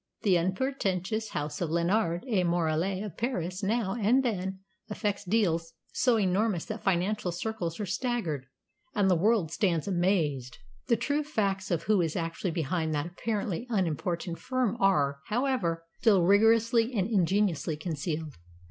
The unpretentious house of Lénard et Morellet of Paris now and then effects deals so enormous that financial circles are staggered, and the world stands amazed. The true facts of who is actually behind that apparently unimportant firm are, however, still rigorously and ingeniously concealed.